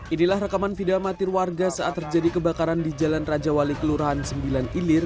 inilah rekaman video amatir warga saat terjadi kebakaran di jalan raja wali kelurahan sembilan ilir